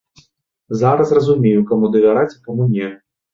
Зараз разумею, каму давяраць, а каму не.